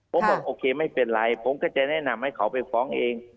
ผมบอกโอเคไม่เป็นไรผมก็จะแนะนำให้เขาไปฟ้องเอง